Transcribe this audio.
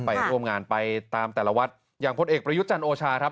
ไปร่วมงานไปตามแต่ละวัดอย่างพลเอกประยุทธ์จันทร์โอชาครับ